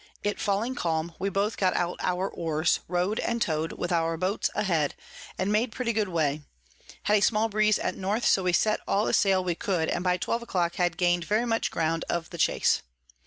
It falling calm, we both got out our Oars, row'd and tow'd, with our Boats a head, and made pretty good way; had a small Breeze at North, so we set all the Sail we could, and by twelve a clock had gain'd very much ground of the Chase.